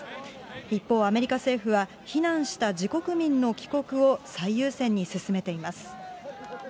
一方、アメリカ政府は、避難した自国民の帰国を最優先に進めています。